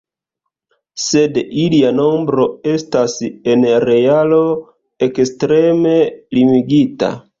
Sed ilia nombro estas en realo ekstreme limigita.